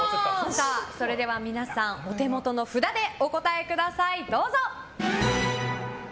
それでは、皆さんお手元の札でお答えください。